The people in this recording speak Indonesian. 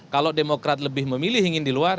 kalau demokrat lebih memilih ingin di luar